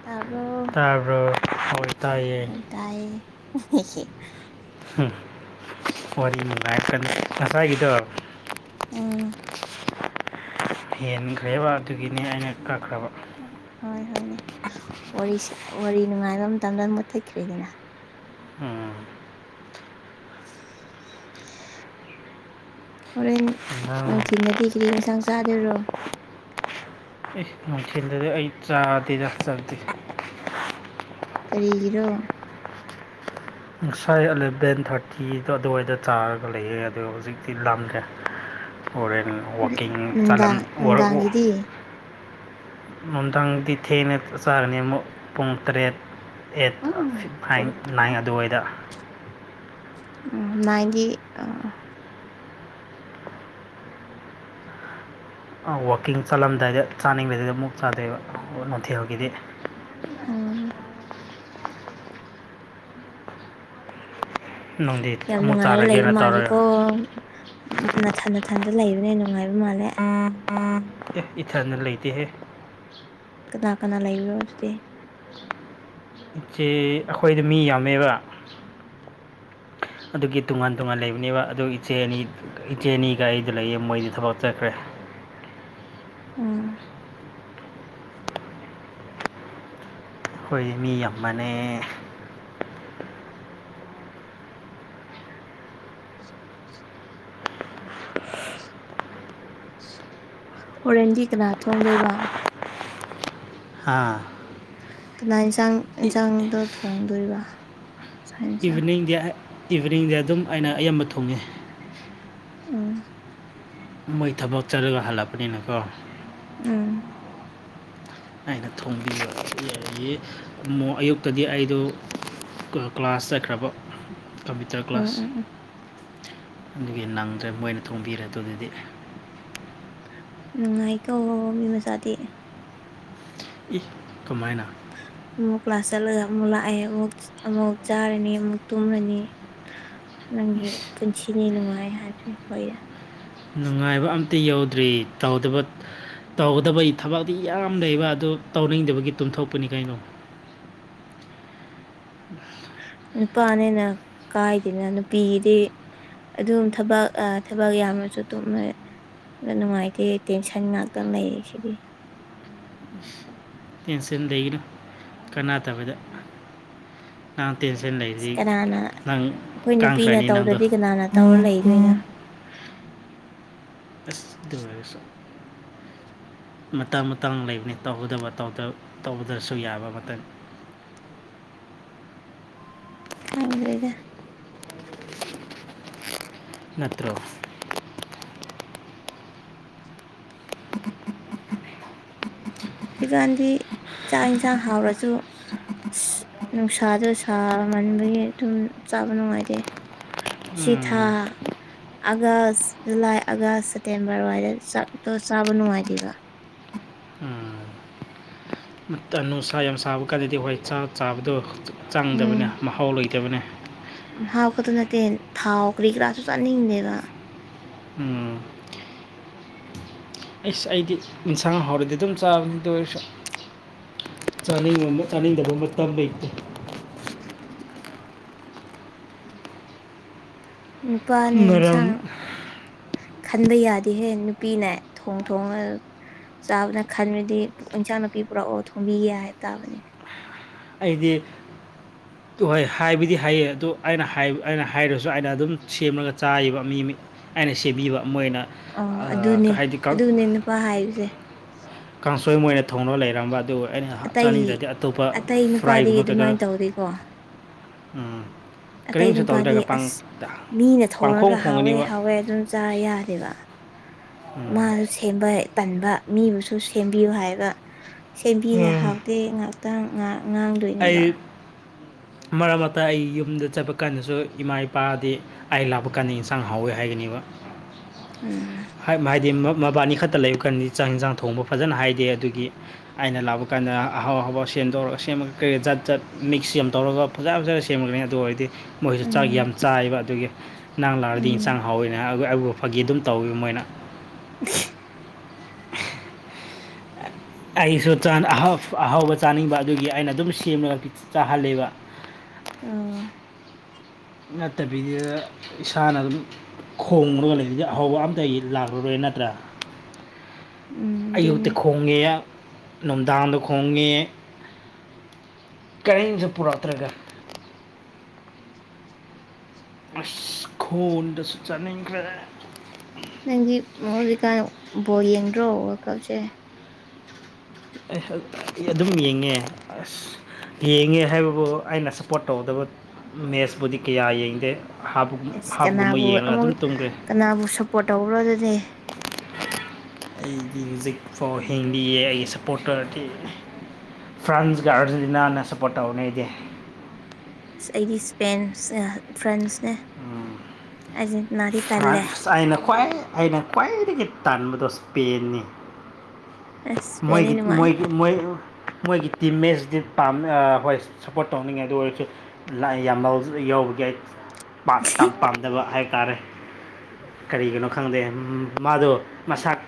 ꯇꯥꯕ꯭ꯔꯣ ꯇꯕ꯭ꯔꯣ ꯍꯧꯜ ꯇꯥꯏꯌꯦ ꯇꯥꯏ ꯎꯝ ꯋꯥꯔꯤ ꯅꯨꯡꯉꯥꯏꯀ ꯉꯁꯥꯏꯒꯤꯗꯣ ꯎꯝ ꯍꯦꯟꯈ꯭ꯔꯦꯕ ꯑꯗꯨꯒꯤꯅꯤ ꯑꯩꯅ ꯀꯛꯈ꯭ꯔꯕ ꯍꯣꯏ ꯍꯣꯏꯅꯦ ꯋꯥꯔꯤ ꯋꯥꯔꯤ ꯅꯨꯡꯉꯥꯏꯕ ꯃꯇꯝꯗ ꯑꯗꯨꯝ ꯃꯨꯠꯊꯠꯈ꯭ꯔꯦꯗꯅ ꯎꯝ ꯍꯣꯔꯦꯜ ꯅꯪ ꯅꯨꯡꯊꯤꯟꯅꯗꯤ ꯀꯔꯤꯟꯁꯥꯡ ꯆꯥꯗꯣꯏꯔꯣ ꯑꯦ ꯅꯨꯡꯊꯤꯜꯗꯗꯤ ꯑꯩ ꯆꯥꯗꯦꯗ ꯆꯥꯗꯦ ꯀꯔꯤꯒꯤꯔꯣ ꯉꯁꯥꯏ ꯑꯦꯂꯚꯦꯟ ꯊꯥꯔꯇꯤꯗꯣ ꯑꯗꯨꯋꯥꯏꯗ ꯆꯥꯔꯒ ꯂꯩꯌꯦ ꯑꯗꯣ ꯍꯧꯖꯤꯛꯇꯤ ꯂꯈ꯭ꯔꯦ ꯍꯣꯔꯦꯟ ꯋꯥꯛꯀꯤꯡ ꯅꯨꯡꯗꯥꯡ ꯆꯂꯝꯔꯛꯎ ꯅꯨꯡꯗꯥꯡꯒꯤꯗꯤ ꯅꯨꯡꯊꯪꯗꯤ ꯊꯦꯡꯅ ꯆꯥꯔꯅꯤ ꯑꯃꯨꯛ ꯄꯨꯡ ꯇꯔꯦꯠ ꯑꯩꯠ ꯎꯝ ꯐ ꯅꯥꯏꯟ ꯑꯗꯨꯋꯥꯏꯗ ꯏꯒꯤ ꯑ ꯋꯥꯛꯀꯤꯡ ꯆꯠꯂꯝꯗꯥꯏꯗ ꯆꯥꯅꯤꯡꯕꯗꯨꯗ ꯑꯃꯨꯛ ꯆꯥꯗꯣꯏꯑꯕ ꯅꯨꯡꯊꯦꯜꯒꯤꯗꯤ ꯎꯝ ꯅꯨꯡꯊꯤꯟ ꯌꯥꯝ ꯑꯃꯨꯛ ꯅꯨꯡꯉꯥꯏꯔ ꯂꯩꯕ ꯆꯥꯔꯒꯦꯅ ꯇꯧꯔꯒ ꯃꯥꯂꯦꯀꯣ ꯅꯅꯥꯊꯟ ꯅꯥꯊꯟꯗ ꯂꯩꯕꯅꯦ ꯅꯨꯡꯉꯥꯏꯕ ꯃꯥꯜꯂꯦ ꯑꯦ ꯏꯊꯅ ꯂꯩꯇꯦꯍꯦ ꯀꯅꯥ ꯀꯅꯥ ꯂꯩꯕ꯭ꯔꯣ ꯑꯗꯨꯗꯤ ꯆꯦ ꯑꯩꯈꯣꯏꯗ ꯃꯤ ꯌꯥꯝꯃꯦꯕ ꯑꯗꯨꯒꯤ ꯇꯣꯉꯥꯟ ꯇꯣꯉꯥꯟ ꯂꯩꯕꯅꯦꯕ ꯑꯗꯨ ꯏꯆꯦ ꯑꯅꯤ ꯏꯆꯦ ꯑꯅꯤꯒ ꯑꯩꯗ ꯂꯩꯌꯦ ꯃꯣꯏꯗꯤ ꯊꯕꯛ ꯆꯠꯈ꯭ꯔꯦ ꯎꯝ ꯑꯩꯈꯣꯏ ꯃꯤ ꯌꯥꯝꯃꯅꯦ ꯑꯣꯣꯔꯦꯟꯗꯤ ꯀꯅꯥ ꯊꯣꯡꯗꯣꯏꯕ ꯑꯥ ꯀꯅꯥ ꯌꯦꯟꯁꯥꯡ ꯏꯟꯁꯥꯡꯗꯣ ꯊꯣꯡꯗꯣꯏꯔꯤꯕ ꯏꯚꯤꯅꯤꯡꯗꯤ ꯏꯚꯤꯅꯤꯡꯗꯤ ꯑꯗꯨꯝ ꯑꯩꯅ ꯑꯌꯥꯝꯕ ꯊꯣꯡꯉꯤ ꯎꯝ ꯃꯣꯏ ꯊꯕꯛ ꯆꯠꯔꯒ ꯍꯜꯂꯛꯄꯅꯤꯅꯀꯣ ꯎꯝ ꯍꯥꯏꯅ ꯊꯣꯡꯕꯤꯕ ꯑꯃ ꯑꯌꯨꯛꯇꯗꯤ ꯑꯩꯗꯣ ꯀ꯭ꯂꯥꯁ ꯆꯠꯈ꯭ꯔꯕ ꯀꯝꯄ꯭ꯌꯨꯇꯔ ꯎꯝ ꯀ꯭ꯂꯥꯁ ꯎꯝ ꯎꯝ ꯑꯗꯨꯒꯤ ꯅꯪꯗ꯭ꯔꯦ ꯃꯣꯏꯅ ꯊꯣꯡꯕꯤꯔꯦ ꯑꯗꯨꯗꯨꯗꯤ ꯅꯨꯡꯉꯥꯏꯀꯣ ꯃꯤ ꯃꯆꯥꯗꯤ ꯏ ꯀꯃꯥꯏꯅ ꯑꯃꯨꯛ ꯀ꯭ꯂꯥꯁ ꯆꯠꯂꯒ ꯑꯃꯨꯛ ꯂꯥꯛꯑꯦ ꯑꯃꯨꯛ ꯑꯃꯨꯛ ꯆꯥꯔꯅꯤ ꯑꯃꯨꯛ ꯇꯨꯝꯂꯅꯤ ꯅꯪꯒꯤ ꯄꯨꯟꯁꯤꯅꯤ ꯅꯨꯡꯉꯥꯏ ꯍꯥꯏꯁꯦ ꯍꯣꯏ ꯅꯨꯡꯉꯥꯏꯕ ꯑꯝꯇ ꯌꯥꯎꯗ꯭ꯔꯤ ꯇꯧꯗꯕ ꯇꯧꯒꯗꯕꯩ ꯊꯕꯛꯇꯤ ꯌꯥꯝ ꯂꯩꯕ ꯑꯗꯨ ꯇꯧꯅꯤꯡꯗꯕꯒꯤ ꯇꯨꯝꯊꯣꯛꯄꯅꯤ ꯀꯩꯅꯣ ꯅꯨꯄꯥꯅꯦꯅ ꯀꯥꯏꯗꯅ ꯅꯨꯄꯤꯒꯤꯗꯤ ꯑꯗꯨꯝ ꯊꯕꯛ ꯊꯕꯛ ꯌꯥꯝꯅꯁꯨ ꯇꯨꯝꯃꯦ ꯑ ꯅꯨꯡꯉꯥꯏꯇꯦ ꯇꯦꯟꯁꯟ ꯉꯥꯛꯇꯪ ꯂꯩꯌꯦ ꯁꯤꯗꯤ ꯎ ꯇꯦꯟꯁꯟ ꯂꯩꯒꯤꯅꯣ ꯀꯅꯥꯇꯕꯗ ꯅꯪ ꯇꯦꯟꯁꯟ ꯂꯩꯗꯤ ꯀꯅꯥꯅ ꯅꯪ ꯑꯩꯈꯣꯏ ꯅꯨꯄꯤꯅ ꯀꯥꯡꯈ꯭ꯔꯅꯤ ꯅꯪꯗꯣ ꯇꯧꯗ꯭ꯔꯗꯤ ꯀꯅꯥꯅ ꯇꯧꯔ ꯂꯩꯗꯣꯏꯅꯣ ꯑꯁ ꯗꯤꯃꯥꯏꯔ ꯁ ꯃꯇꯥꯡ ꯃꯇꯥꯡ ꯂꯩꯕꯅꯤ ꯇꯧꯒꯗꯕ ꯇꯧꯗ꯭ꯔꯁꯨ ꯌꯥꯕ ꯃꯇꯝ ꯈꯥꯏ ꯑꯣꯏꯔꯦꯒ ꯅꯠꯇ꯭ꯔ ꯍꯧꯖꯤꯛꯀꯥꯟꯗꯤ ꯆꯥꯛ ꯌꯦꯟꯁꯥꯡ ꯍꯥꯎꯔꯁꯨ ꯑꯁ ꯅꯨꯡꯁꯥꯗꯣ ꯁꯥꯃꯟꯕꯒꯤ ꯑꯗꯨꯝ ꯆꯥꯕ ꯅꯨꯡꯉꯥꯏꯇꯦ ꯁꯤꯤ ꯊꯥ ꯎꯝ ꯑꯥꯒꯁ ꯖꯨꯂꯥꯏ ꯑꯥꯒꯁ ꯁꯦꯞꯇꯦꯝꯕꯔ ꯑꯗꯨꯋꯥꯏꯗ ꯆꯥꯛꯇꯣ ꯆꯥꯕ ꯅꯨꯡꯉꯥꯏꯇꯦꯕ ꯅꯨ ꯁꯥ ꯌꯥꯝ ꯆꯥꯕ ꯀꯥꯟꯗꯗꯤ ꯍꯣꯏ ꯆꯥꯛ ꯆꯥꯕꯗꯣ ꯆꯪꯗꯕꯅꯦ ꯃꯍꯥꯎ ꯂꯩꯇꯕꯅꯦ ꯍꯥꯥꯎꯀꯗ ꯅꯠꯇꯦ ꯊꯥꯎ ꯀꯔꯤ ꯀꯔꯥꯁꯨ ꯆꯥꯅꯤꯡꯗꯦꯕ ꯎꯝ ꯑꯩꯁ ꯑꯩꯗꯤ ꯏꯟꯁꯥꯡ ꯍꯧꯥꯎꯔꯗꯤ ꯑꯗꯨꯝ ꯆꯥꯕꯅꯤꯗ ꯑꯣꯏꯔꯁꯨ ꯆꯥꯅꯤꯡꯕ ꯆꯥꯅꯤꯡꯗꯕ ꯃꯇꯝ ꯂꯩꯇꯦ ꯅꯨꯄꯥꯅ ꯏꯟꯁꯥꯡ ꯃꯔꯝ ꯈꯟꯕ ꯌꯥꯗꯦꯍꯦ ꯅꯨꯄꯤꯅꯦ ꯊꯣꯡ ꯊꯣꯡꯉ ꯆꯥꯕꯅ ꯈꯟꯕꯗꯤ ꯏꯟꯁꯥꯡ ꯅꯥꯄꯤ ꯄꯨꯔꯛꯑꯣ ꯊꯣꯡꯕꯤꯒꯦ ꯍꯥꯏꯕ ꯇꯥꯕꯅꯤ ꯑꯩꯗꯤ [inaudible] ꯑ ꯍꯣꯏ ꯍꯥꯏꯕꯨꯗꯤ ꯍꯥꯏꯌꯦ ꯑꯗꯣ ꯑꯩꯅ ꯑꯩꯅ ꯍꯥꯏꯔꯁꯨ ꯑꯩꯅ ꯑꯗꯨꯝ ꯁꯦꯝꯂꯒ ꯆꯥꯏꯕ ꯃꯤ ꯃꯤ ꯑꯩꯅ ꯁꯦꯝꯦꯕꯤꯕ ꯃꯣꯏꯅ ꯑꯣ ꯑꯗꯨꯅꯦ ꯍꯥꯏꯗꯤ ꯑꯗꯨꯅꯦ ꯅꯨꯄꯥ ꯍꯥꯏꯕꯁꯦ ꯀꯥꯡꯁꯣꯏ ꯃꯣꯏꯅ ꯊꯧꯅ ꯂꯩꯔꯝꯕ ꯑꯗꯨꯒ ꯑꯩꯅ ꯑꯇꯩ ꯆꯥꯅꯤꯡꯗ꯭ꯔꯗꯤ ꯑꯇꯣꯞꯄ ꯑꯇꯩ ꯅꯨꯄꯥꯗꯤ ꯐ꯭ꯔꯥꯏꯒꯨꯝꯕ ꯀꯩꯀꯔꯥ ꯑꯗꯨꯃꯥꯏꯅ ꯇꯧꯗꯦꯀꯣ ꯎꯝ ꯑꯇꯩ ꯅꯨꯄꯥꯗꯤ ꯑꯁ ꯃꯤꯅ ꯄꯥꯡꯈꯣꯡ ꯊꯣꯡꯔꯒ ꯍꯥꯎꯋꯦ ꯈꯣꯡꯒꯅꯦꯕ ꯍꯥꯎꯋꯦ ꯑꯗꯨꯝ ꯆꯥꯔ ꯌꯥꯗꯦꯕ ꯃꯥꯁꯨ ꯁꯦꯝꯕ ꯇꯟꯕ ꯃꯤꯕꯨꯁꯨ ꯁꯦꯝꯕꯤꯌꯨ ꯍꯥꯏꯕ ꯁꯦꯝꯕꯤꯔꯦ ꯍꯥꯎꯗꯦ ꯉꯍꯥꯛꯇꯪ ꯉꯍꯥꯛ ꯑꯩ ꯃꯔꯛ ꯑꯩ ꯌꯨꯝꯗ ꯆꯠꯄ ꯀꯥꯟꯗꯁꯨ ꯏꯃꯥ ꯏꯄꯥꯗꯤ ꯑꯩ ꯂꯥꯞꯄ ꯀꯥꯟꯗ ꯏꯟꯁꯥꯡ ꯍꯥꯎꯋꯦ ꯍꯥꯏꯒꯅꯤꯕ ꯎꯝ ꯍꯥꯏꯗꯤ ꯃꯕꯥꯅꯤ ꯈꯛꯇ ꯂꯩꯕ ꯀꯥꯟꯗꯤ ꯆꯥꯛ ꯌꯦꯟꯁꯥꯡ ꯊꯣꯡꯕ ꯐꯖꯅ ꯍꯥꯏꯗꯦ ꯑꯗꯨꯒꯤ ꯑꯩꯅ ꯂꯥꯛꯄ ꯀꯥꯟꯗ ꯑꯍꯥꯎ ꯑꯍꯥꯎ ꯁꯦꯝꯗꯧꯔꯒ ꯁꯦꯝꯃꯒ ꯀꯔꯤ ꯀ ꯖꯥꯠ ꯖꯠ ꯃꯤꯛꯁ ꯌꯥꯝ ꯇꯧꯔꯒ ꯐꯖꯅ ꯐꯖꯅ ꯁꯦꯝꯒꯅꯤ ꯑꯗꯨ ꯑꯣꯏꯔꯗꯤ ꯃꯣꯏꯁꯨ ꯆꯥꯛ ꯌꯥꯝ ꯎꯝ ꯆꯥꯏꯕ ꯑꯗꯨꯒꯤ ꯅꯅꯥꯡ ꯂꯥꯛꯔꯗꯤ ꯏꯟꯁꯥꯡ ꯎꯝ ꯍꯥꯎꯋꯦꯅꯦ ꯍꯥꯏ ꯑꯔꯕ ꯐꯥꯒꯤ ꯑꯗꯨꯝ ꯇꯧꯋꯦꯕ ꯃꯣꯏꯅ ꯎꯝ ꯑꯩꯁꯨ ꯑꯍꯥꯎꯕ ꯆꯥꯅꯤꯡꯕ ꯑꯗꯨꯒꯤ ꯑꯩꯅ ꯑꯗꯨꯝ ꯁꯦꯝꯃꯒ ꯆꯥꯍꯜꯂꯤꯕ ꯑꯣ ꯅꯠꯇꯕꯤꯗꯨꯗ ꯏꯁꯥꯅ ꯑꯗꯨꯝ ꯈꯣꯡꯂꯒ ꯂꯩꯔꯤꯗꯤ ꯑꯍꯧꯕ ꯑꯝꯇ ꯂꯥꯛꯂꯔꯣꯏ ꯅꯠꯇ꯭ꯔꯥ ꯎꯝ ꯑꯌꯨꯛꯇ ꯑꯗꯨꯅꯦ ꯈꯣꯡꯉꯦ ꯅꯨꯡꯗꯥꯡꯗ ꯈꯣꯡꯉꯦ ꯀꯔꯦꯟꯁꯦ ꯄꯨꯔꯛꯇ꯭ꯔꯒ ꯑꯁ ꯈꯣꯟꯗꯁꯨ ꯆꯥꯅꯤꯡꯈ꯭ꯔꯦ ꯅꯪꯗꯤ ꯍꯧꯖꯤꯛꯀꯥꯟ ꯕꯣꯜ ꯌꯦꯡꯗ꯭ꯔꯣ ꯋꯥꯔꯜ ꯀꯞꯁꯦ ꯑꯗꯨꯝ ꯌꯦꯡꯉꯦ ꯑꯁ ꯌꯦꯡꯉꯦ ꯍꯥꯏꯕꯕꯨ ꯑꯩꯅ ꯁꯞꯄꯣꯔꯠ ꯇꯧꯒꯗꯕ ꯃꯦꯠꯁꯄꯨꯗꯤ ꯀꯌꯥ ꯌꯦꯡꯗꯦ ꯍꯥꯞ ꯑꯁ ꯍꯥꯞꯀꯨꯝꯕ ꯀꯅꯥꯕꯨ ꯌꯦꯡꯉꯒ ꯑꯗꯨꯝ ꯑꯃꯨꯛ ꯇꯨꯝꯈ꯭ꯔꯦ ꯀꯅꯥꯕꯨ ꯁꯞꯄꯣꯔꯠ ꯇꯧꯕ꯭ꯔꯣꯗꯗꯤ ꯑꯩꯒꯤ ꯃ꯭ꯌꯨꯖꯤꯛ ꯐꯥꯎ ꯍꯤꯡꯂꯤꯑ ꯑꯩꯒꯤ ꯁꯞꯄꯣꯔꯇꯔꯗꯤ ꯐ꯭ꯔꯥꯟꯁꯒ ꯑꯥꯔꯖꯦꯟꯇꯤꯅꯥꯅ ꯁꯞꯄꯣꯔꯠ ꯇꯧꯔꯅꯤ ꯑꯩꯗꯤ ꯑꯁ ꯑꯩꯗꯤ ꯏꯁꯄꯦꯟꯁ ꯐ꯭ꯔꯦꯟꯁꯅꯦ ꯐ꯭ꯔꯥꯟꯁ ꯑꯩꯅ ꯈ꯭ꯏ ꯑꯩꯅ ꯈ꯭ꯋꯥꯏꯗꯒꯤ ꯇꯥꯟꯕꯗꯣ ꯏꯁꯄꯦꯟꯅꯤ ꯑꯁ ꯏꯁꯄꯦꯟꯗꯤ ꯃꯣꯏꯒꯤ ꯅꯨꯡꯉꯥꯏ ꯃꯣꯏꯒꯤ ꯃꯣꯏ ꯃꯣꯏꯒꯤ ꯇꯤꯝ ꯃꯦꯁꯇꯗꯤ ꯄꯥꯝ ꯍꯣꯏ ꯁꯞꯄꯣꯔꯠ ꯇꯧꯅꯤꯡꯉꯦ ꯑꯗꯨ ꯑꯣꯏꯔꯁꯨ ꯌꯥꯝꯃ ꯌꯥꯎꯕꯒꯤ ꯑꯩ ꯄꯥꯝꯖꯕ ꯍꯥꯏꯇꯥꯔꯦ ꯀꯔꯤꯒꯤꯅꯣ ꯈꯪꯗꯦ ꯃꯥꯗꯣ ꯃꯁꯥꯛ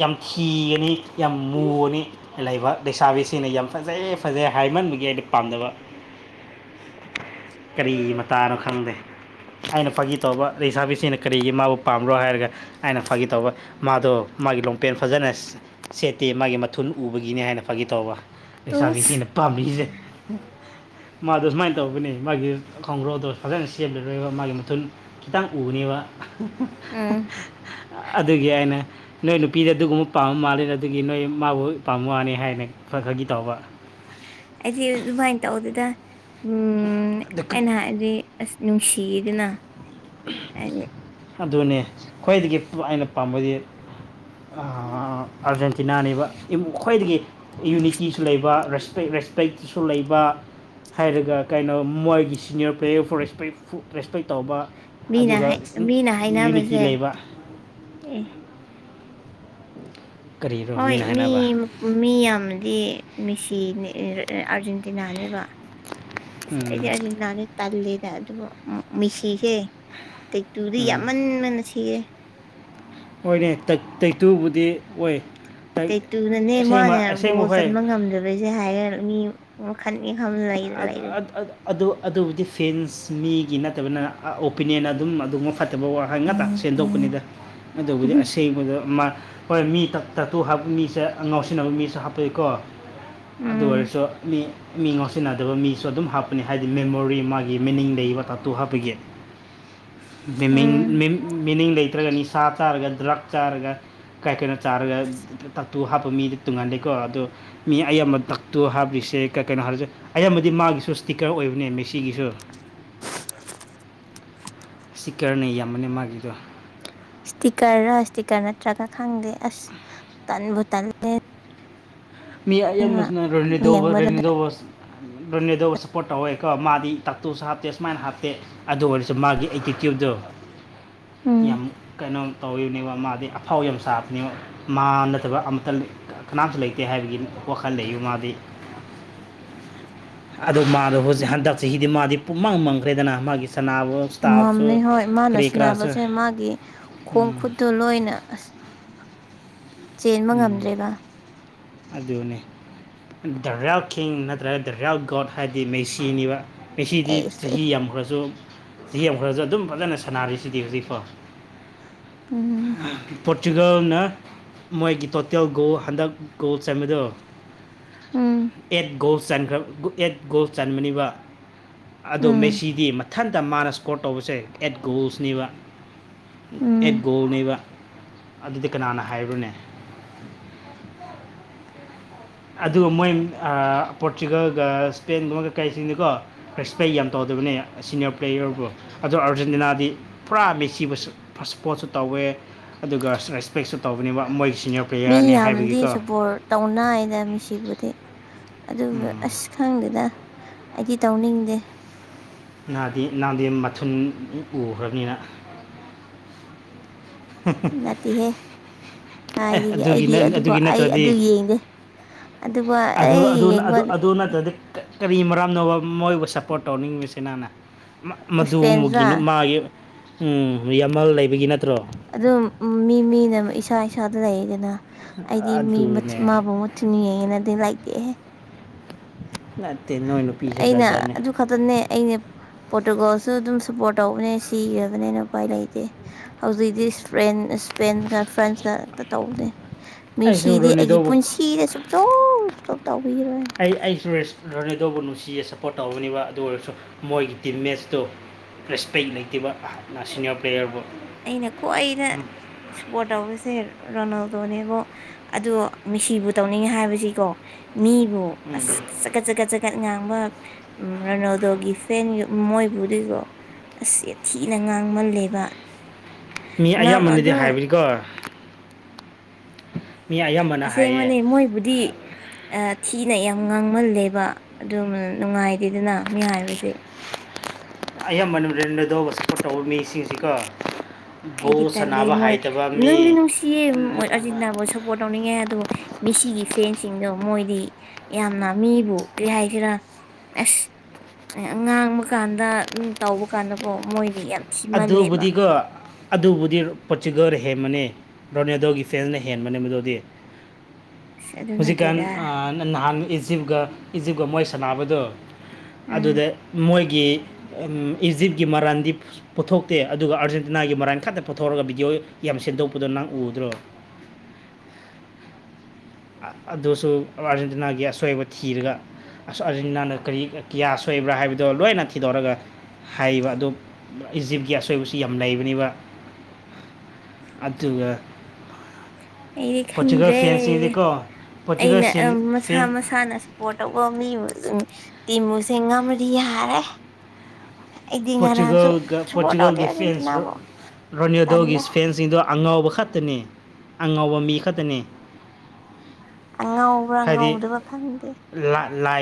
ꯌꯥꯝ ꯊꯤꯒꯅꯤ ꯌꯥꯝ ꯃꯨꯅꯤ ꯂꯩꯕ ꯂꯩꯁꯥꯕꯤꯁꯤꯡꯅ ꯌꯥꯝ ꯐꯖꯩꯌꯦ ꯐꯖꯩ ꯍꯥꯏꯃꯟꯕꯒꯤ ꯑꯩꯅ ꯄꯥꯝꯗꯕ ꯀꯔꯤ ꯃꯇꯥꯅꯣ ꯈꯪꯗꯦ ꯑꯩꯅ ꯐꯥꯒꯤ ꯇꯧꯕ ꯂꯩꯁꯥꯕꯤꯁꯤꯡꯅ ꯀꯔꯤꯒꯤ ꯃꯥꯕꯨ ꯄꯥꯝꯕ꯭ꯔꯣ ꯍꯥꯏꯔꯒ ꯑꯩꯅ ꯐꯥꯒꯤ ꯇꯧꯕ ꯃꯥꯗꯣ ꯃꯥꯒꯤ ꯂꯣꯡꯄꯦꯟ ꯐꯖꯅ ꯁꯦꯠꯇꯦ ꯃꯥꯒꯤ ꯃꯊꯨꯟ ꯎꯕꯒꯤꯅꯤ ꯍꯥꯏꯅ ꯐꯥꯒꯤ ꯇꯧꯕ ꯇꯣꯁ ꯂꯩꯁꯥꯕꯤꯁꯤꯅ ꯄꯥꯝꯃꯤꯁꯦ ꯃꯥꯗꯣ ꯁꯨꯃꯥꯏꯅ ꯇꯧꯕꯅꯦ ꯃꯥꯒꯤ ꯈꯣꯡꯒ꯭ꯔꯣꯗꯣ ꯐꯖꯅ ꯁꯦꯝꯂꯔꯣꯏꯕ ꯃꯥꯒꯤ ꯃꯊꯨꯟ ꯈꯤꯇꯪ ꯎꯕꯅꯦꯕ ꯎꯝ ꯑꯗꯨꯒꯤ ꯑꯩꯅ ꯅꯣꯏ ꯅꯨꯄꯤꯗ ꯑꯗꯨꯒꯨꯝꯕ ꯄꯥꯝꯕ ꯃꯥꯜꯂꯦ ꯑꯗꯨꯒꯤ ꯅꯣꯏ ꯃꯥꯕꯨ ꯄꯥꯝꯕ ꯃꯥꯅꯤ ꯍꯥꯏꯅ ꯈꯔ ꯈꯔꯒꯤ ꯇꯧꯕ ꯑꯩꯗꯤ ꯑꯗꯨꯃꯥꯏꯅ ꯇꯧꯗꯨꯗ ꯎꯝ ꯑꯩꯅ ꯍꯥꯏꯕꯗꯤ ꯑꯁ ꯅꯨꯡꯁꯤꯗꯅ ꯍꯥꯏ ꯑꯗꯨꯅꯦ ꯈ꯭ꯋꯥꯏꯗꯒꯤ ꯑꯩꯅ ꯄꯥꯝꯕꯗꯤ ꯑꯥꯔꯖꯦꯟꯇꯤꯅꯥꯅꯦꯕꯨꯡ ꯈ꯭ꯣꯏꯗꯒꯤ ꯌꯨꯅꯤꯇꯤꯁꯨ ꯂꯩꯕ ꯔꯦꯁꯄꯦꯛꯇꯁꯨ ꯂꯩꯕ ꯍꯥꯏꯔꯒ ꯀꯩꯅꯣ ꯃꯣꯏꯒꯤ senior player for respect respect ꯇꯧꯕ ꯃꯤꯅ ꯑꯗꯨꯒ ꯃꯤꯅ ꯌꯨꯅꯤꯇꯤ ꯍꯥꯏꯅꯕꯁꯦ ꯂꯩꯕ ꯑꯦ ꯀꯔꯤꯔꯣ ꯍꯣꯏ ꯃꯤꯅ ꯍꯥꯏꯅꯕ ꯃꯤꯝ ꯃꯤ ꯌꯥꯝꯗꯤ ꯃꯤꯁꯤꯅꯦ ꯑꯦ ꯑꯦ ꯑꯥꯔꯖꯦꯟꯇꯤꯅꯥꯅꯦꯕ ꯎꯝ ꯑꯩꯗꯤ ꯑꯔꯖꯦꯟꯇꯤꯅꯥꯗꯤ ꯇꯜꯂꯤꯗ ꯑꯗꯨꯕꯨ ꯎꯪ ꯃꯦꯁꯤꯖꯦ ꯇꯦꯛꯇꯨꯗꯤ ꯎꯝ ꯌꯥꯝꯃꯟꯕꯅ ꯁꯤꯌꯦ ꯍꯣꯏꯅꯦ ꯇꯦꯠ ꯇꯦꯇꯨꯕꯨꯗꯤ ꯑꯣꯏ ꯇꯦꯇꯨꯅꯅꯦ ꯃꯥꯅ ꯒꯣꯜ ꯍꯣꯏ ꯆꯟꯕ ꯉꯝꯗꯕꯁꯦ ꯍꯥꯏꯔ ꯃꯤ ꯃꯈꯟꯅꯤ ꯈꯝ ꯂꯩ ꯑꯠ ꯑꯠ ꯑꯠ ꯑꯗꯨ ꯑꯗꯨꯕꯨꯗꯤ ꯐꯦꯟꯁ ꯃꯤꯒꯤ ꯅꯠꯇꯕꯅ ꯑꯣꯄꯤꯅꯤꯌꯟ ꯑꯗꯨꯝ ꯑꯗꯨꯝꯃ ꯐꯠ ꯋꯥꯈꯩꯟ ꯉꯥꯛꯇ ꯁꯦꯟꯗꯣꯛꯄꯅꯤꯗ [inaudible] ꯑꯗꯨꯕꯨꯗꯤ ꯑꯁ ꯁꯤꯕꯗ ꯃꯥ ꯍꯣꯏ ꯃꯤ ꯇꯞ ꯇꯇꯨ ꯍꯥꯞꯄ ꯃꯤꯁꯦ ꯉꯥꯎꯁꯤꯟꯅꯕ ꯃꯤꯁꯨ ꯍꯥꯞꯄꯏꯀꯣ ꯑꯗꯨ ꯎꯝ ꯑꯣꯏꯔꯁꯨ ꯃꯤ ꯃꯤꯉꯥꯎꯁ ꯁꯤꯟꯅꯗꯕ ꯃꯤꯁꯨ ꯑꯗꯨꯝ ꯍꯥꯞꯄꯅꯤ ꯍꯥꯏꯗꯤ ꯃꯦꯃꯣꯔꯤ ꯃꯥꯒꯤ ꯃꯤꯅꯤꯡ ꯂꯩꯕ ꯇꯥꯇꯨ ꯍꯥꯞꯄꯒꯤ ꯃꯤꯅꯤꯡ ꯎꯝ ꯃꯤꯝ ꯃꯤꯅꯤꯡ ꯂꯩꯇ꯭ꯔꯒ ꯅꯤꯁꯥ ꯆꯥꯔꯒ ꯗ꯭ꯔꯛ ꯆꯥꯔꯒ ꯀꯥꯏ ꯀꯩꯅꯣ ꯆꯥꯔꯒ ꯇꯥꯇꯨ ꯍꯥꯞꯄ ꯃꯤꯗꯤ ꯇꯨꯡꯉꯥꯟꯂꯦꯀꯣ ꯑꯗꯨ ꯃꯤ ꯑꯌꯥꯝꯕ ꯗꯛꯇꯨ ꯍꯥꯞꯄꯤꯁꯦ ꯀꯩ ꯀꯩꯅꯣ ꯍꯥꯏꯔꯤꯖꯦ ꯑꯌꯥꯝꯕꯗꯤ ꯃꯥꯒꯤꯁꯨ ꯁ꯭ꯇꯤꯀꯔ ꯑꯣꯏꯕꯅꯦ ꯃꯦꯁꯤꯒꯤꯁꯨ ꯁꯤꯀꯔꯅ ꯌꯥꯝꯕꯅꯦ ꯃꯥꯒꯤꯗꯣ ꯁ꯭ꯇꯤꯛꯀꯔꯔ ꯁ꯭ꯇꯤꯛꯀꯔ ꯅꯠꯇ꯭ꯔꯒ ꯈꯪꯗꯦ ꯑꯁ ꯇꯟꯕꯨ ꯇꯜꯂꯦ ꯃꯤ ꯑꯌꯥꯝꯕ ꯌꯦꯡꯕꯗꯨꯗ [unintelligible] ꯑꯗꯨꯅꯦ ꯑꯗꯨꯕꯨ ꯁꯞꯄꯣꯔꯠ ꯇꯧꯋꯦꯀꯣ ꯃꯥꯗꯤ ꯇꯥꯛꯇꯨꯁꯨ ꯍꯥꯞꯇꯦ ꯁꯨꯃꯥꯏꯅ ꯍꯥꯞꯇꯦ ꯑꯗꯨ ꯑꯣꯏꯔꯁꯨ ꯃꯥꯒꯤ ꯑꯦꯇꯤꯇ꯭ꯌꯨꯠꯗꯣ [inaudible] ꯌꯥꯝ ꯀꯩꯅꯣ ꯇꯧꯔꯤꯕꯅꯦꯕ ꯃꯥꯗꯤ ꯑꯐꯥꯎ ꯌꯥꯝ ꯁꯥꯕꯅꯦꯕ ꯃꯥ ꯅꯠꯇꯕ ꯑꯝꯇ ꯀꯅꯥꯁꯨ ꯂꯩꯇꯦ ꯍꯥꯏꯕꯒꯤ ꯋꯥꯈꯜ ꯂꯩꯕ ꯃꯥꯗꯤ ꯑꯗꯣ ꯃꯥꯗꯣ ꯍꯧꯖꯤꯛ ꯍꯟꯗꯛ ꯆꯍꯤꯗꯤ ꯃꯥꯗꯤ ꯄꯨꯃꯥꯡ ꯃꯪꯈ꯭ꯔꯦꯗꯅ ꯃꯥꯒꯤ ꯁꯅꯥꯕꯣ ꯉꯝꯃꯦ ꯍꯣꯏ ꯃꯥꯅ ꯁꯅꯥꯕꯁꯦ ꯃꯥꯒꯤ ꯈꯣꯡ ꯎꯝ ꯈꯨꯠꯇꯨ ꯂꯣꯏꯅ ꯆꯦꯟꯕ ꯎꯝ ꯉꯝꯗ꯭ꯔꯦꯕ ꯑꯗꯨꯅꯦ ꯗ ꯔꯦꯜ ꯀꯤꯡ ꯅꯠꯇ꯭ꯔꯒ ꯗ ꯔꯦꯜ ꯒꯣꯠ ꯍꯥꯏꯗꯤ ꯃꯦꯁꯤꯅꯦꯕ ꯄꯦꯁꯤꯗꯤ ꯑꯦꯁ ꯆꯍꯤ ꯑꯦꯁ ꯌꯥꯝꯈ꯭ꯔꯁꯨ ꯆꯍꯤ ꯌꯥꯝꯈ꯭ꯔꯁꯨ ꯑꯗꯨꯝ ꯐꯖꯅ ꯁꯥꯟꯅꯔꯤꯁꯤꯗꯤ ꯍꯧꯖꯤꯛꯀꯣ ꯎꯝ ꯄꯣꯔꯇꯨꯒꯜꯅ ꯃꯣꯏꯒꯤ ꯇꯣꯇꯦꯜ ꯒꯣꯜ ꯍꯟꯗꯛ ꯒꯣꯜ ꯆꯟꯕꯤꯗꯧ ꯎꯝ ꯑꯦꯠ ꯒꯣꯜꯈ꯭ꯔ ꯑꯦꯠ ꯒꯣꯜ ꯆꯟꯕꯅꯤꯕ ꯑꯣ ꯎꯝ ꯃꯦꯁꯤꯗꯤ ꯃꯊꯟꯇ ꯃꯥꯅ ꯏꯁꯀꯣꯔ ꯇꯧꯕꯁꯦ ꯑꯦꯠ ꯒꯣꯜꯁꯅꯦꯕ ꯑꯦꯠ ꯎꯝ ꯒꯣꯅꯦꯕ ꯑꯗꯨꯗꯤ ꯀꯅꯥꯅ ꯍꯥꯏꯕ꯭ꯔꯣꯅꯦ ꯑꯗꯨꯒ ꯃꯣꯏ ꯄꯣꯔꯇꯨꯒꯜꯒ ꯏꯁꯄꯦꯟꯒꯨꯝꯕ ꯀꯩꯀꯩꯁꯤꯡꯅꯤꯀꯣ ꯔꯦꯁꯄꯦꯛ ꯌꯥꯝ ꯇꯧꯗꯕꯅꯦ ꯁꯤꯅꯤꯌꯔ ꯄ꯭ꯂꯦꯌꯔꯕꯨ ꯑꯗꯨꯗ ꯑꯥꯔꯖꯦꯟꯇꯤꯅꯥꯗꯤ ꯄꯨꯔꯥ ꯃꯦꯆꯤꯕꯁꯨ ꯁꯄꯣꯠꯁꯨ ꯇꯧꯋꯦ ꯑꯗꯨꯒ ꯔꯦꯁꯄꯦꯛꯁꯨ ꯇꯧꯕꯅꯦꯕ ꯃꯣꯏꯒꯤ ꯁꯤꯅꯤꯌꯔ ꯄ꯭ꯂꯦꯌꯔꯅꯦ ꯍꯥꯏꯕꯒꯤꯀꯣ ꯇꯧꯅꯥꯏꯅ ꯃꯤꯁꯤꯕꯨꯗꯤ ꯑꯗꯨꯒ ꯑꯁ ꯈꯪꯗꯦꯗ ꯑꯩꯗꯤ ꯇꯧꯅꯤꯡꯗꯦ ꯅꯥꯗꯤ ꯅꯥꯗꯤ ꯃꯊꯨꯟ ꯎꯈ꯭ꯔꯕꯅꯤꯅ [unintelligible] ꯅꯠꯇꯦꯍꯦ ꯑꯦ ꯀꯥꯏꯗꯒꯤ ꯑꯗꯨꯒꯤ ꯑꯩꯗꯤ ꯑꯗꯨꯕꯨ ꯑꯗꯨꯒꯤ ꯑꯩ ꯑꯗꯨ ꯅꯠꯇ꯭ꯔꯗꯤ ꯌꯦꯡꯗꯦ ꯑꯗꯨꯒ ꯑꯗꯨ ꯑꯗꯨ ꯑꯩ ꯌꯦꯡꯕ ꯑꯗꯨ ꯑꯗꯨ ꯅꯠꯇ꯭ꯔꯗꯤ ꯀꯔꯤ ꯃꯔꯝꯅꯣꯕ ꯃꯣꯏꯕꯨ ꯁꯞꯄꯣꯔꯠ ꯇꯧꯅꯤꯡꯉꯤꯁꯤ ꯅꯥꯅ ꯃꯗꯨꯃꯒꯤ ꯏꯁꯄꯦꯟꯁ꯭ꯔꯥ ꯃꯥꯒꯤ ꯎꯝ ꯌꯥꯝꯃꯜ ꯂꯩꯕꯒꯤ ꯅꯠꯇ꯭ꯔꯣ ꯑꯗꯨꯝ ꯃꯤ ꯃꯤꯅ ꯏꯁꯥ ꯏꯁꯥꯗ ꯂꯩꯌꯦꯗꯅ ꯍꯥꯏꯗꯤ ꯃꯤ ꯑꯗꯨꯅꯦ ꯃꯕꯨ ꯃꯥꯕꯨꯨ [unintelligible] [unintelligible] ꯅꯨꯄꯤꯁꯦ ꯑꯩꯅ ꯖꯥꯠ ꯖꯥꯠꯅꯦ ꯑꯗꯨꯛ ꯈꯛꯇꯅꯦ ꯑꯩꯅ ꯄꯣꯔꯇꯨꯒꯥꯜꯁꯨ ꯑꯗꯨꯝ ꯁꯞꯄꯣꯔꯠ ꯇꯧꯕꯅꯦ ꯁꯤꯈ꯭ꯔꯕꯅꯦꯅ ꯎꯄꯥꯏ ꯂꯩꯇꯦ ꯍꯧꯖꯤꯛꯇꯤ ꯏꯁꯄꯦꯟꯒ ꯐ꯭ꯔꯥꯟꯁꯀ ꯇꯧꯕꯅꯦ ꯑꯩꯁꯨ ꯃꯤꯁꯤꯗꯤ ꯑꯩꯒꯤ ꯔꯣꯅꯦꯗꯣꯕꯨ ꯄꯨꯟꯁꯤꯗ ꯁꯨꯡꯇꯧ ꯁꯨꯡꯇꯧ ꯇꯧꯕꯤꯔꯣꯏ ꯑꯩ ꯑꯩꯁꯨ ꯔꯣꯅꯥꯜꯗꯣꯕꯨ ꯅꯨꯡꯁꯤꯌꯦ ꯆꯠꯄ ꯁꯞꯄꯣꯔꯠ ꯇꯧꯕꯅꯦꯕ ꯑꯗꯨ ꯑꯣꯏꯔꯁꯨ ꯃꯣꯏꯒꯤ ꯇꯤꯝ ꯃꯦꯠꯁꯇꯨ ꯔꯦꯁꯄꯦꯛ ꯂꯩꯇꯕꯅ ꯁꯤꯅꯤꯌꯔ ꯄ꯭ꯂꯦꯌꯔꯕꯨ ꯑꯩꯅ ꯈ꯭ꯋꯥꯏꯅ ꯁꯄꯣꯔꯠ ꯇꯔꯤꯁꯦ ꯔꯣꯅꯥꯜꯗꯣꯅꯦꯕꯣ ꯑꯗꯣ ꯃꯤꯁꯤꯕꯨ ꯇꯧꯅꯤꯡꯉꯦ ꯍꯥꯏꯕꯁꯤꯀꯣ ꯃꯤꯕꯨ ꯑꯁ ꯆꯀꯠ ꯆꯀꯠ ꯆꯀꯠ ꯉꯥꯡꯕ ꯎꯝ ꯔꯣꯅꯥꯜꯗꯣꯒꯤ ꯐꯦꯟ ꯃꯣꯏꯕꯨꯗꯨꯕꯣ ꯑꯁ ꯊꯤꯅ ꯉꯥꯡꯃꯜꯂꯦꯕ ꯃꯤ ꯉꯝ ꯑꯌꯥꯝꯕꯅꯗꯤ ꯑꯗꯨ ꯍꯥꯏꯕꯤꯅꯤꯀꯣ ꯑꯁꯦ ꯍꯥꯏꯌꯦ ꯕꯅꯤ ꯃꯣꯏꯕꯨꯗꯤ ꯊꯤꯅ ꯌꯥꯝ ꯉꯥꯡꯃꯜꯂꯦꯕ ꯑꯗꯨ ꯅꯨꯡꯉꯥꯏꯇꯦꯗꯅ ꯃꯤ ꯍꯥꯏꯕꯁꯦ ꯑꯌꯥꯝꯕꯅ ꯔꯣꯅꯥꯜꯇꯣꯕꯨ ꯁꯞꯄꯣꯔꯠ ꯇꯧꯕ ꯃꯤꯁꯤꯡꯁꯤꯀꯣ ꯑꯩꯗꯤ ꯕꯣꯜ ꯇꯜꯂꯦ ꯁꯥꯟꯅꯕ ꯃꯣꯏ ꯍꯩꯇꯕ ꯅꯨꯡꯗꯤ ꯃꯤ ꯅꯨꯡꯁꯤ ꯑꯔꯖꯦꯟꯇꯤꯅꯥꯕꯨꯁꯨ ꯁꯞꯄꯣꯔꯠ ꯇꯧꯅꯤꯡꯉꯦ ꯑꯗꯣ ꯃꯤꯁꯤꯒꯤ ꯐꯦꯟꯁꯤꯡꯗꯣ ꯃꯣꯏꯗꯤ ꯌꯥꯝꯅ ꯃꯤꯕꯨ ꯀꯔꯤ ꯍꯥꯏꯁꯤꯔꯥ ꯑꯁ ꯉꯥꯡꯕ ꯀꯥꯟꯗ ꯇꯧꯕ ꯀꯥꯟꯗꯀꯣ ꯃꯣꯏꯗꯤ ꯌꯥꯝ ꯊꯤꯃꯜꯂꯦꯕ ꯑꯗꯨꯕꯨꯗꯤꯀꯣ ꯑꯗꯨꯕꯨꯗꯤ ꯄꯣꯔꯇꯨꯀꯜꯒꯤꯅ ꯍꯦꯟꯕꯅꯤ ꯔꯣꯅꯥꯜꯗꯣꯒꯤ ꯐꯦꯟꯁꯤꯡꯅ ꯍꯦꯟꯕꯅꯦ ꯃꯗꯨꯗꯤ ꯑꯁ ꯑꯗꯨ ꯍꯧꯖꯤ ꯀꯥꯟ ꯅꯠꯇꯦꯗ ꯑ ꯅꯍꯥꯟ ꯏꯖꯤꯞꯀ ꯏꯖꯤꯞꯀ ꯃꯣꯏ ꯁꯥꯟꯅꯕꯗꯣ ꯎꯝ ꯑꯗꯨꯗ ꯃꯣꯏꯒꯤ ꯏꯖꯤꯠꯒꯤ ꯃꯔꯔꯥꯥꯟꯗꯤ ꯄꯨꯊꯣꯛꯇꯦ ꯑꯗꯨꯒ ꯑꯥꯔꯖꯦꯟꯇꯤꯅꯥꯒꯤ ꯃꯔꯥꯟ ꯈꯛꯇ ꯄꯨꯊꯣꯛꯑꯒ ꯕꯤꯗꯤꯑꯣ ꯌꯥꯝ ꯁꯦꯝꯗꯣꯛꯄꯗꯣ ꯅꯪ ꯎꯗ꯭ꯔꯣ ꯑꯗꯨꯁꯨ ꯑꯥꯔꯖꯦꯟꯇꯤꯅꯥꯒꯤ ꯑꯁꯣꯏꯕ ꯊꯤꯔꯒ ꯑꯁ ꯑꯔꯖꯦꯟꯇꯤꯅꯥꯅ ꯀꯔꯤ ꯀꯌꯥ ꯁꯣꯏꯕ꯭ꯔꯥ ꯍꯥꯏꯕꯗꯣ ꯂꯣꯏꯅ ꯊꯤꯗꯣꯛꯑꯒ ꯍꯥꯏꯕ ꯑꯗꯨ ꯏꯖꯤꯞꯀꯤ ꯑꯁꯣꯏꯕꯁꯣ ꯌꯥꯝ ꯂꯩꯕꯅꯤꯕ ꯑꯇꯨꯒ ꯑꯩꯗꯤ ꯈꯪꯗ꯭ꯔꯦ ꯄꯣꯔꯇꯨꯒꯜ ꯑꯩꯅ ꯃꯁꯥ ꯐꯦꯟ ꯏꯁꯥꯅ ꯁꯞꯄꯣꯔꯠꯇ ꯋꯥꯃꯤꯕꯖꯤꯡ ꯇꯤꯝꯃꯨꯁꯤꯡ ꯉꯝꯃꯗꯤ ꯌꯥꯔꯦ ꯑꯩꯗꯤ ꯉꯔꯥꯡꯁꯨ ꯄꯣꯔꯇꯨꯒꯜꯒ ꯁꯞꯄꯣꯔꯠ ꯇꯧꯗꯦ ꯄꯣꯔꯇꯨꯒꯜꯒꯤ ꯐꯦꯟꯁ ꯑꯥꯔꯖꯦꯟꯇꯤꯅꯥꯕꯨ ꯔꯣꯅꯥꯜꯌꯣꯗꯣꯒꯤ ꯇꯜꯂꯦ ꯐꯦꯟꯁꯤꯡꯗꯣ ꯑꯉꯥꯎꯕ ꯈꯛꯇꯅꯤ ꯑꯉꯥꯎꯕ ꯃꯤ ꯈꯛꯇꯅꯤ ꯑ ꯉꯧꯕ꯭ꯔꯥ ꯍꯥꯏꯗꯤ ꯉꯧꯗꯕ ꯈꯪꯗꯦ [inaudible]